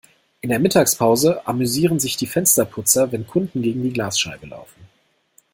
In der Mittagspause amüsieren sich die Fensterputzer, wenn Kunden gegen die Glasscheibe laufen.